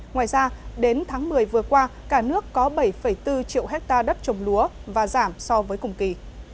ngoài ra đến tháng một mươi vừa qua cả nước có bảy bốn triệu hectare đất trồng lúa và giảm so với cùng kỳ